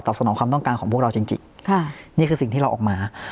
สนองความต้องการของพวกเราจริงจริงค่ะนี่คือสิ่งที่เราออกมา